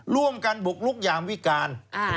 ร่วมกันบุกลุกยามวิการ